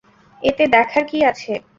এতে দেখার কি আছে?